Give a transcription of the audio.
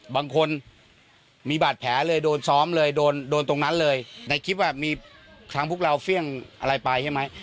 บางคนมีบาดแผลเลยโดนซ้อมเลยโดนโดนตรงนั้นเลยในคลิปว่ามีทางพวกเราเฟี่ยงอะไรไปใช่ไหม